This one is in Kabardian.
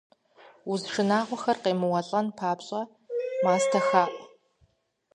Уз шынагъуэхэр цӀыхум къемыуэлӀэн папщӀэ, мастэ хаӏу.